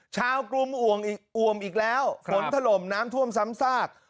กรุงอ่วมอีกแล้วฝนถล่มน้ำท่วมซ้ำซาก